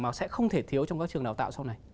nó sẽ không thể thiếu trong các trường đào tạo sau này